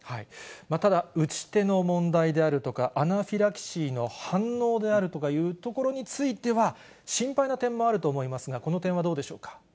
ただ、打ち手の問題であるとか、アナフィラキシーの反応であるとかいうところについては、心配な点もあると思いますが、この点はどうでしょうか。